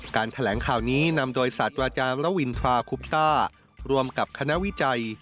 แถลงข่าวนี้นำโดยศาสตราจารย์ระวินทราคุปต้ารวมกับคณะวิจัย